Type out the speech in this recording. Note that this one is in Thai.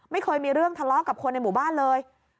ไม่เคยมีเรื่องทะเลาะกับคนในหมู่บ้านเลย